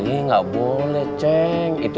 ih nggak boleh cenk